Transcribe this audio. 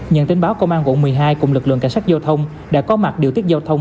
nhận tin báo công an quận một mươi hai cùng lực lượng cảnh sát giao thông đã có mặt điều tiết giao thông